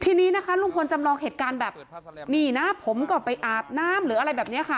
ทีนี้ลุงพลจำลองเหตุการณ์แบบผมก่อนไปอาบน้ำหรืออะไรแบบนี้